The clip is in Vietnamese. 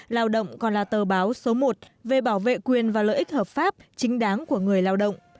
lao động còn là tờ báo số một về bảo vệ quyền và lợi ích hợp pháp chính đáng của người lao động